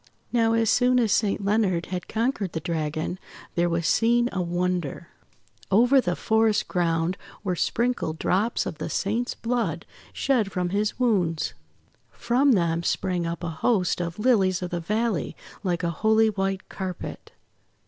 Now as soon as Saint Leonard had conquered the Dragon, there was seen a wonder. Over the SO THE WONDER GARDEN forest ground were sprinkled drops of the Saint's blood, shed from his wounds. From them sprang up a host of Lilies of the Valley, like a holy white carpet.